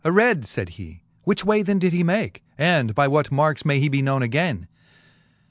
Aread, fayd he, which way then did he make ? And by what markes may he be knowne againe